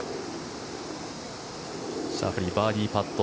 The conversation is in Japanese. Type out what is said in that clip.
シャフリー、バーディーパット。